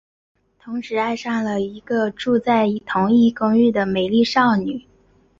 同时爱上了一个住在同一所公寓的美丽少女。